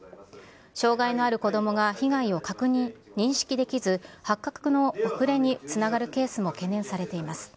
障害のある子どもが被害を認識できず、発覚の遅れにつながるケースも懸念されています。